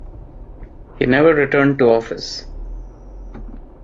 He never returned to office.